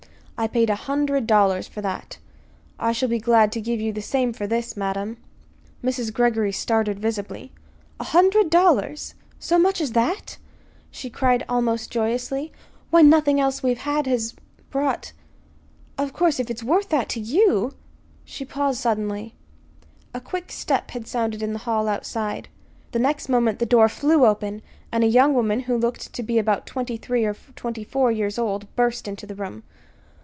"I paid a hundred dollars for that. I shall be glad to give you the same for this, madam." Mrs. Greggory started visibly. "A hundred dollars? So much as that?" she cried almost joyously. "Why, nothing else that we've had has brought Of course, if it's worth that to you " She paused suddenly. A quick step had sounded in the hall outside. The next moment the door flew open and a young woman, who looked to be about twenty three or twenty four years old, burst into the room.